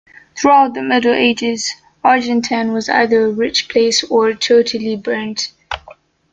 Throughout the Middle Ages, Argentan was either a rich place or totally burnt.